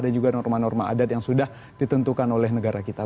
dan juga norma norma adat yang sudah ditentukan oleh negara kita